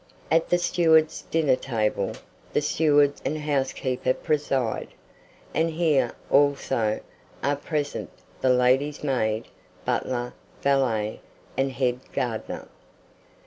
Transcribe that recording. At the steward's dinner table, the steward and housekeeper preside; and here, also, are present the lady's maid, butler, valet, and head gardener.